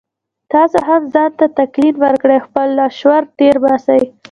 تاسې هم ځان ته تلقين وکړئ او خپل لاشعور تېر باسئ.